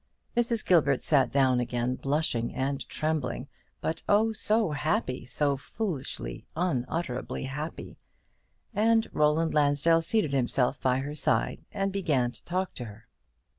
Mrs. Gilbert sat down again, blushing and trembling; but, oh, so happy, so foolishly, unutterably happy; and Roland Lansdell seated himself by her side and began to talk to her.